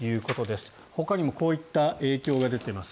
ほかにもこういった影響が出ています。